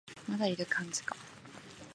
まだいる感じか